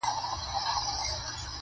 قلندر پر کرامت باندي پښېمان سو-